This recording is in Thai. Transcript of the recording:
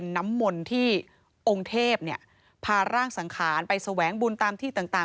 น้ำมนต์ที่องค์เทพพาร่างสังขารไปแสวงบุญตามที่ต่าง